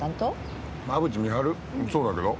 そうだけど。